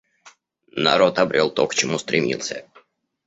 Народ обрел то, к чему стремился.